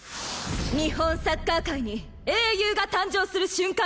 日本サッカー界に英雄が誕生する瞬間を！